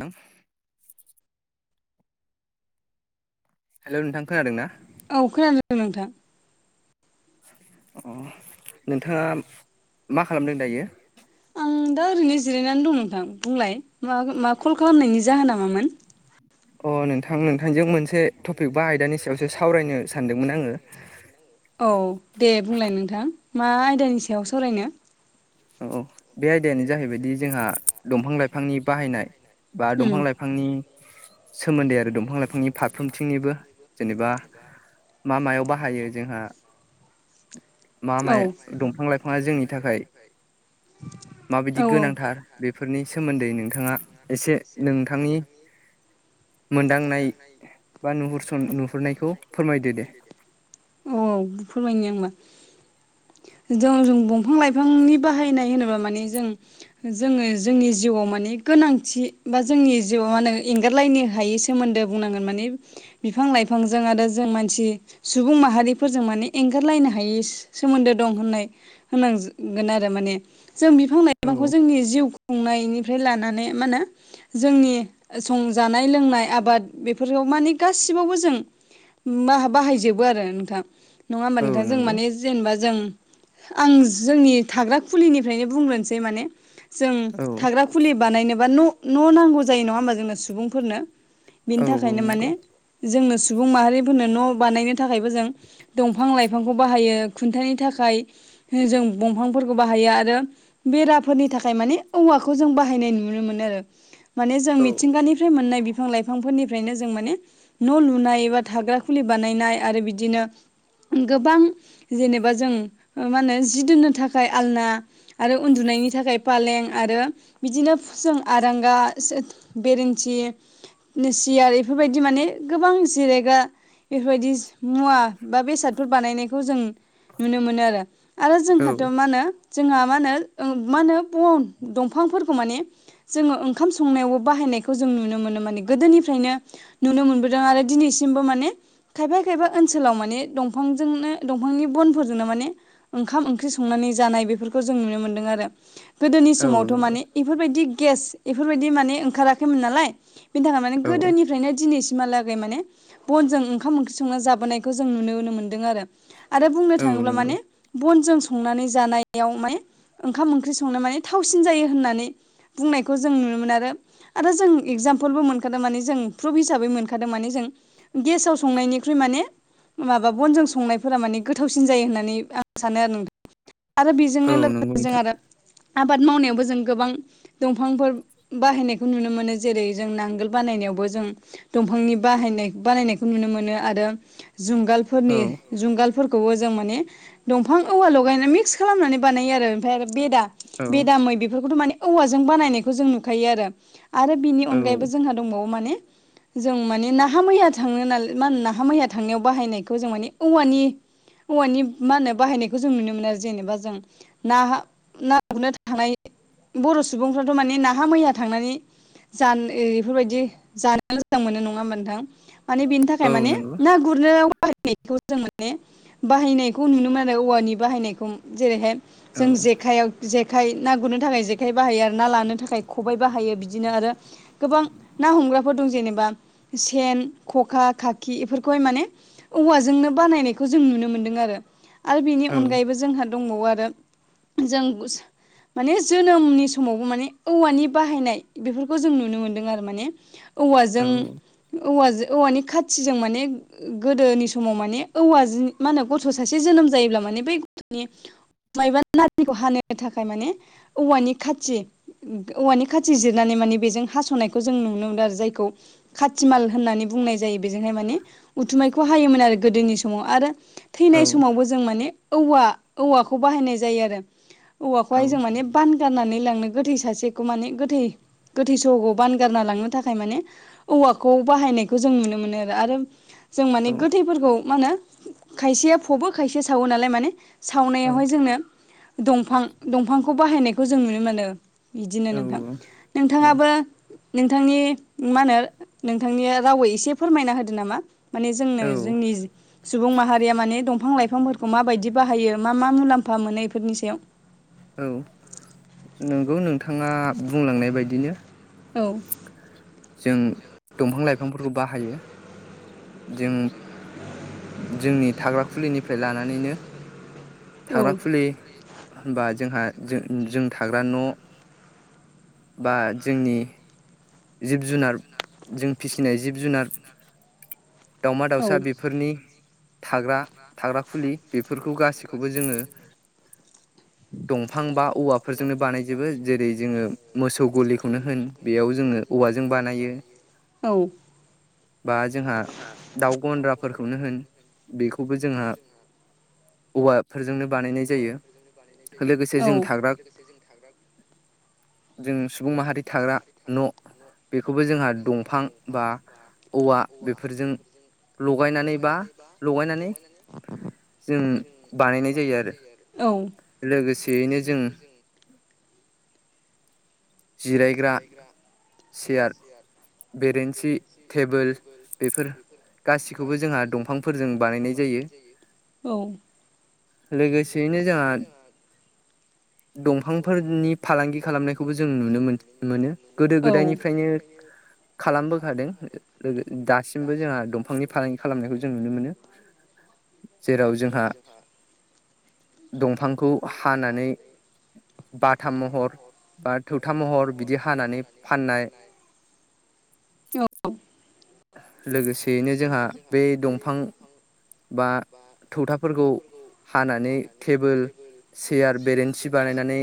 हेल hello नोंथां खोनादों ना? औ खोनानो नोंथां। अ नोंथाङा मा खालामदों दायो? दा ओरैनो जिरायनानै दं नोंथां बुंलाय म मा कल खालामनायनि जाहोना मामोन? अ नोंथां नोंथांजों मोनसे टपिक बा आयदानि सायावसो सावरायनो सानदोंमोन आङो। औ दे बुंलाय नोंथां मा आयदानि सायाव सावरायनो। औ औ बे आयदायानो जाहैबायदि जोंहा दंफां लाइफांनि बाहायनाय। बा दंफां लाइफांनि सोमोन्दै आरो दंफां लाइफांनि फारफ्रोमथिंनिबो जेनेबा मा मायाव बाहायो जोंहा मा माया दंफां लाइफाङा जोंनि थाखाय माबायदि गोनांथार बेफोरनि सोमोन्दै नोंथाङा एसे नोंथांनि मोनदांनाय बा नुहुरस'न-नुहुरनायखौ औ औ फोरमायनि आं होमबा। जों जों बंफां लाइफांनि बाहायनाय होनोब्ला माने जों जोङो जोंनि जिउआव माने गोनांथि बा जोंनि जिउआव मा नो एंगारलायनो हायि सोमोन्दो बुंनांगोन माने बिफां लाइफांजों आरो जों मानसि सुबुं माहारिफोरजों माने एंगारलायनो हायि स सोमोन्दो दं होननाय होननां-जो-गोन आरो माने जों बिफां लाइफांखौ जोंनि जिउ खुंनायनिफ्राय लानानै मा होनो जोंनि सं-जानाय लोंनाय आबाद बेफोरखौ मानि गासिबावबो जों मा-हा-बाहायजोबो आरो नोंथां नङा होमबा नोंथां? जों माने जेनेबा जों आं जोंनि थाग्रा खुलिनिफ्रायनो बुंग्रोनोसै माने जों थाग्रा खुलि बानायनोबा न' न' नांगौ जायो नङा होमबा जोंनो सुबुंफोरनो? बिनि थाखायनो माने जोंनो सुबुं माहारि फोरनो न' बानायनो थाखायबो जों दंफां लाइफांखौ बाहायो खुन्थाइनि थाखाय हो जों बंफांफोरखौ बाहायो आरो बेराफोरनि थाखाय माने औवाखौ जों बाहायनाय नुनो मोनो आरो। माने जों मिथिंगानिफ्राय मोननाय बिफां लाइफांफोरनिफ्रायनो जों माने न' लुनाय एबा थाग्रा खुलि बानायनाय आरो बिदिनो उम गोबां जेनेबा जों ओ मा होनो जि दोननो थाखाय आलना आरो उन्दुनायनि थाखाय पालें आरो बिदिनो जों आरांगा बेरेन्सि नो सियार इफोरबायदि माने गोबां जिरायग्रा इफोरबायदि मुवा बा बेसादफोर बानायनायखौ जों नुनो मोनो आरो आरो जोंहाथ' मा होनो जोंहा मा होनो ओ मा होनो बन दंफांफोरखौ माने जोङो ओंखाम संनायावबो बाहायनायखौ जों नुनो मोनो माने गोदोनिफ्रायनो नुनो मोनबोदों आरो दिनैसिमबो माने खायफा खायफा ओनसोलाव माने दंफांजोंनो दंफांनि बनफोरजोंनो माने ओंखाम ओंख्रि संनानै जानाय बेफोरखौ जों नुनो मोन्दों आरो। गोदोनि समावथ' माने इफोरबायदि गेस इफोरबायदि माने ओंखाराखैमोन नालाय। बिनि थाखाय माने गोदोनिफ्रायनो दिनैसिमहालागै माने बनजों खाम ओंख्रि संना जाबोनायखौ जों नुनो मोन्दों आरो आरो बुंनो थाङोब्ला माने बनजों संनानै जानायाव माने ओंखाम ओंख्रि संनाय माने थावसिन जायो होननानै बुंनायखौ जों नुनो मोनो आरो आरो जों इगजामफोलबो मोनखादों माने जों फ्रुप हिसाबै मोनखादों माने जों गेसाव स संनायनिख्रुइ माने माबा बनजों संनायफोरा माने गोथावसिन जायो होननानै आं सानो आरो नों आरो बेजोंनो लोगोसे जों आरो आबाद मावनायावबो जों गोबां दंफांफोर बाहायनायखौ नुनो मोनो जेरै जों नांगोल बानायनायावबो जों दंफांनि बाहायनाय बानायनायखौ नुनो मोनो आरो जुंगालफोरनि जुंगालफोरखौबो जों माने दंफां औवा लगायना मिक्स खालामनानै बानायो आरो ओमफाय आरो बेदा बेदा मै बेफोरखौथ' माने औवाजों बानायनायखौ जों नुखायो आरो। आरो बिनि अनगायैबो जोंहा दंबावो माने जों माने नाहा मैया थांनो नाल-मा होनो नाहा मैहा थांनायाव बाहायनायखौ जों माने औवानि औवानि मा होनो बाहायनायखौ जों नुनो मोनो आरो जेनेबा जों ना नाखौनो थांनाय बर' सुबुंफ्राथ' माने नाहा मैया थांनानै जान इ इफोरबायदि जानो मोजां मोनो नङा होमबा नोंथां माने बिनि थाखाय माने ना‌ गुरनायाव बाहायनायखौ जों माने बाहायनायखौ नुनो मोन आरो औवानि बाहायनायखौ जेरैहाय जों जेखायाव जेखाइ ना गुरनो थाखाय जेखाइ बाहायो आरो ना लानो थाखाय खबाइ बाहायो बिदिनो आरो गोबां ना हमग्राफोर दं जेनेबा सेन खखा खाखि बेफोरखौहाय माने औवाजोंनो बानायनायखौ जों नुनो मोन्दों आरो आरो बिनि अनगायैबो जोंहा दंबावो आरो जों माने जोनोमनि समावबो माने औवानि बाहायनाय बेफोरखौ जों नुनो मोनदों आरो माने औवाजों औवाजो औवानि खाथिजों माने गोदोनि समाव माने औवा जि मा होनो गथ' सासे जोनोम जायोब्ला माने बै गथ'नि मायबा नारिखौ हानो थाखाय माने औवानि खाथि औवानि खाथि जिरनानै माने बेजों हास'नायखौ जों नुनो मोनदों आरो जायखौ खाथिमाल होननानै बुंनाय जायो बेजोंहाय माने उथुमायखौ हायोमोन आरो गोदोनि समाव आरो थैनाय समावबो जों माने औवा औवाखौ बाहायनाय जायो आरो औवाखौहाय जों माने बानगारनानै लांनो गोथै सासेखौ माने गोथै गोथै सहखौ बानगारना लांनो थाखाय माने औवाखौ बाहायनायखौ जों नुनो मोनो आरो आरो जों माने गोथैफोरखौ मा होनो खायसेया फबो खायसेया सावो नालाय माने सावनायावहाय जोंनो दंफां दंफांखौ बाहायनायखौ जों नुनो मोनो बिदिनो नोंथां नोंथाङाबो नोंथांनि मा होनो नोंथांनि रावै एसे फोरमायना होदो नामा माने जोंनो जोंनि सुबुं माहारिया माने दंफां लाइफांफोरखौ माबायदि बाहायो मा मा मुलाम्फा मोनो बेफोरनि सायाव औ नंगौ नोंथाङा बुंलांनाय बायदिनो औ जों दंफां लाइफांफोरखौ बाहायो जों जोंनि थाग्रााखुलिनिफ्राय लानानैनो थाग्रा खुलि होनबा जोंहा जों जों थाग्रा न' बा जोंनि जिब जुनार जों फिसिनाय जिब जुनार दावमा दाउसा बेफोरनि थाग्रा थाग्रा खुलि बेफोरखौ गासैखौबो जोङो दंफां बा औवाफोरजोंनो बानायजोबो जेरै जोङो मोसौ गलिखौनो होन बेयाव जोङो औवाजों बानायो बा जोंहा दाउ गन्द्राफोरखौनो होन बेखौबो जोंहा औवाफोरजोंनो बानायनाय जाय जायो लोगोसे जों थाग्रा जों सुबुं माहारि थाग्रा न' बेखौबो जोंहा दंफां बा औवा बेफोरजों लगायनानै लगायनानै बा लगायनानै [inaudible] जों बानायनाय जायो आरो लोगोसेयैनो जों जिरायग्रा सेयार बेरेन्सि टेबोल बेफोर गासिखौबो जोंहा दंफांफोरजों बानायनाय जायो औ। लोगोसेयैनो जोंहा दंफांफोरनि फालांगि खालामनायखौबो जों नुनो मोन मोनो गोदो गोदायनिफ्रायनो खालामबोखादों लोगो दासिमबो जोंहा दंफांनि फालांगि खालामनायखौ जों नुनो मोनो। जेराव जोंहा दंफांखौ हानानै बाथाम महर बा थौथा महर बिदि हानानै फाननाय औ लोगोसेयैनो जोंहा बे दंफां बा थौथाफोरखौ हानानै टेबोल, सेयार, बेरेन्सि बानायनानै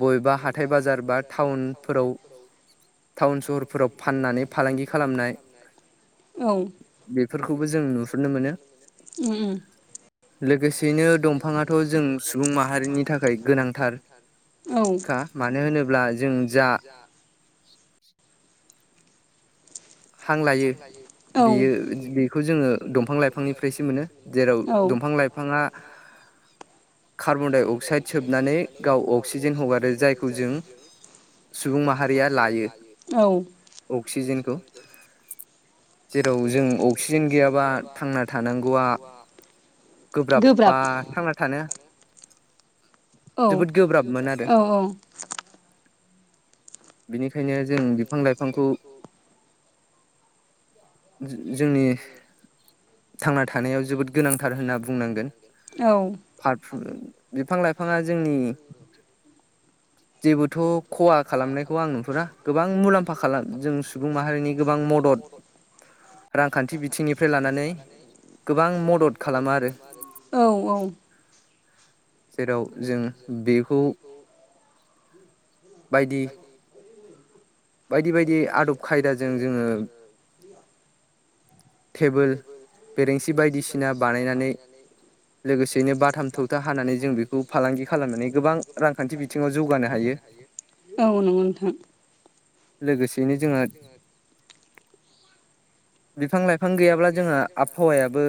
बबेबा हाथाय बाजार बा टाउनफोराव टाउन सहर फोराव फाननानै फालांगि खालामनाय। बेफोरखौबो जों नुहुरनो मोनो। लोगोसेयैनो दंफाङाथ' जों सुबुं माहारिनि थाखाय गोनांथार खा मानो होनोब्ला जों जा हां लायो बेयो बेखौ जोङो दंफां लाइफांनिफ्रायसो मोनो। जेराव दंफां लाइफाङा कार्बनडाइ अक्साइड सोबनानै गाव अक्सिजेन हगारो। जायखौ जों सुबुं माहारिया लायो अक्सिजेनखौ। जेराव जों अक्सिजेन गैयाबा थांना थानांगौआ गोब्राब बा थांना थानो औ औ औ बिनिखायनो जों बिफां लाइफांखौ जो जोंनि थांना थानायाव जोबोद गोनांथार होनना बुंनांगोन। औ फारफ्रो बिफां लाइफाङा जोंनि जेबोथ' खहा खालामनाय खौ आं नुहुरा गोबां मुलाम्फा खाला जों सुबुं माहारिनि गोबां मदद रांखान्थि बिथिंनिफ्राय लानानै औ औ जेराव जों बेखौ बायदि बायदि बायदि आदब खायदाजों जोङो [unintelligible] टेबोल, बेरेंसि बेरेंसि बायदिसिना बानायनानै लोगोसेयैनो बाथाम थौथा हानानै जों बेखौ फालांगि खालामनानै गोबां रांखान्थि बिथिङाव जौगानो हायो। औ नंगौ नोंथां। लोगोसेयैनो जोङो बिफां लाय फां गैयाब्ला जोंहा आबहावायाबो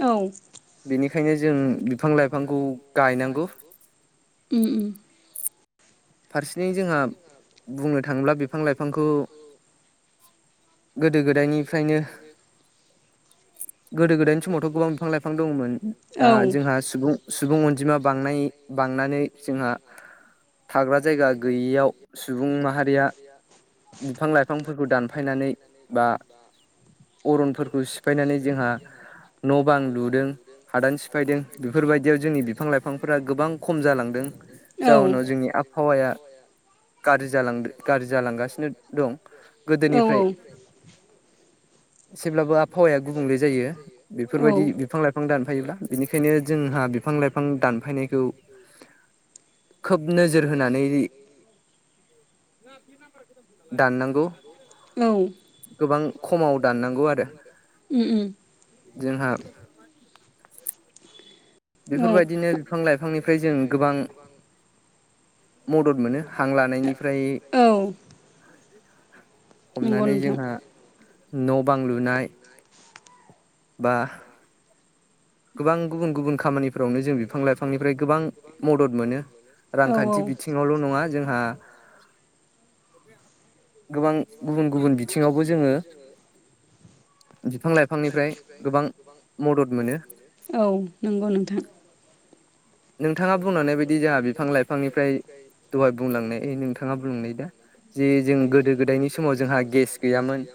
औ बेनिखायनो जों बिफां लाइफांखौ गायनांगौ। उम उम फारसेनि जोंहा बुंनो थाङोब्ला बिफां लाइफांखौ गोदो गोदायनिफ्रायनो गोदो गोदायनि समावथ' गोबां बिफां लाइफां दंमोन। दा जोंहा सुबुं सुबुं अनजिमा बांनाय बांनानै जोंहा थाग्रा जायगा गैयि याव सुबुं माहारिया बिफां लाइफांफोरखौ दानफायनानै बा अरनफोरखौ सिफायनानै जोंहा न' बां लुदों हादान सिफायदों। बेफोरबायदियाव जोंनि बिफां लाइफांफोरा गोबां खम जालांदों। जाउनाव जोंनि आबहावाया गाज्रि जालांदो गाज्रि जालांगासिनो दं। गोदोनिफ्राय सेब्लाबो आबहावाया गुबुंले जायो। बेफोरबायदि बिफां लाइ फां दानफायोब्ला बिनिखायनो जोंहा बिफां लाइफां दानफायनायखौ खोब नोजोर होनानै दाननांगौ गोबां खमाव दाननांगौ आरो। उम उम। जोंहा बेफोरबायदिनो बिफां लाइफांनिफ्राय जों गोबां मदद मोनो हां लानायनिफ्राय हमनानै जोंहा न' बां लुनाय। बा गोबां गुबुन गुबुन खामानिफोरावनो जों बिफां लाइफांनिफ्राय गोबां मदद मोनो रांखान्थि बिथिं न'ल नङा जोंहा गोबां गुबुन गुबुन बिथ थिङावबो जोङो बिफां लाइफांनिफ्राय गोबां मदद मोनो। औ नंगौ नोंथां। नोंथाङा बुंलांनाय बायदि जोंहा बिफां लाइफांनिफ्राय दहाय बुंलांनाय ओ नोंथाङा बुंलांनाय दा जे जों गोदो गोदायनि समाव जोंहा गेस गैयामोन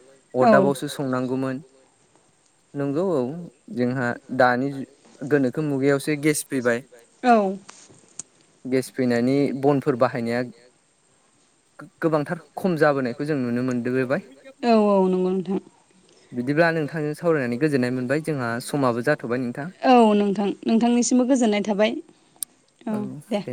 अरदाबावसो संनांगौमोन। नंगौ औ जोंहा दानि जु गोनोखो मुगायावसो गेस फैबाय। गेस फैनायनि बनफोर बाहायनाया गो-गोबांथार खम जाबोनायखौ जों नुनो मोनदोबोबाय। नोंथां। बिदिब्ला नोंथांजों सावरायनानै गोजोननाय मोनबाय जोंहा समाबो जाथ औ नोंथां नोंथांनिसिमबो गोजोननाय थाबाय औ दे।